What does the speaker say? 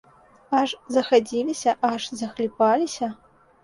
Аж захадзіліся, аж захліпаліся.